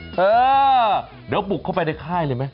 เธอเดี๋ยวบุกเข้าไปในค่ายเลยไหม